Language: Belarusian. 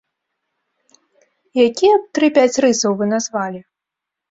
Якія б тры-пяць рысаў вы назвалі?